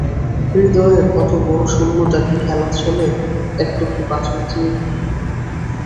হৃদয়ের অত বড়ো শূন্যতা কি খেলাচ্ছলে এক টুকরো পাথর দিয়ে ভরানো যায়?